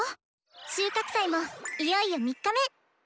収穫祭もいよいよ３日目！